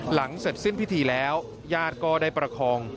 เสร็จสิ้นพิธีแล้วญาติก็ได้ประคอง